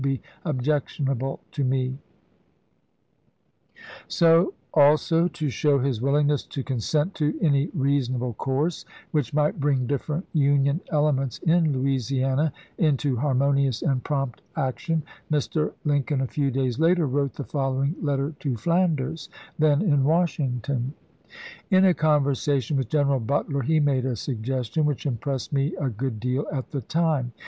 5, 18o3< So, also, to show his willingness to consent to any reasonable course which might bring different Union elements in Louisiana into harmonious and prompt action, Mr. Lincoln, a few days later, wrote the following letter to Flanders, then in Wash ington :" In a conversation with Greneral Butler he made a suggestion which impressed me a good deal at the time.